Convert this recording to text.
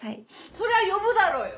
そりゃ呼ぶだろうよ